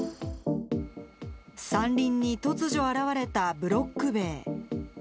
山林に突如現れたブロック塀。